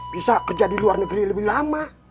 bisa kerja di luar negeri lebih lama